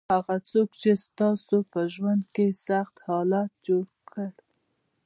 هغه څوک چې تاسو په ژوند کې یې سخت حالات جوړ کړل.